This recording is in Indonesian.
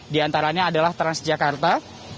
diantaranya adalah transjakarta